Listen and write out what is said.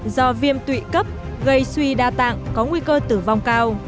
do viêm tụy cấp gây suy đa tạng có nguy cơ tử vong cao